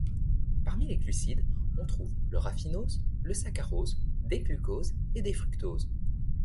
Parmi les glucides, on trouve le raffinose, le saccharose, D-glucose et D-fructose.